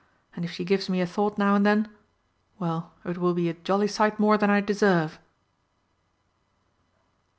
and if she gives me a thought now and then well, it will be a jolly sight more than I deserve!"